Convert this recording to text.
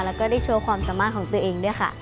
แล้วก็ได้โชว์ความสามารถของตัวเองด้วยค่ะ